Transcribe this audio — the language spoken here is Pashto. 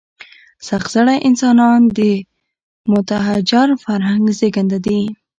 سخت زړي انسانان د متحجر فرهنګ زېږنده دي.